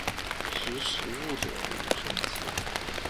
识时务者为俊杰